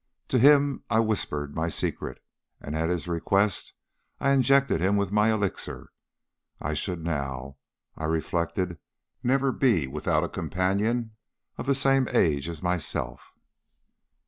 To him I whispered my secret, and at his request I injected him with my elixir. I should now, I reflected, never be without a companion of the same age as myself.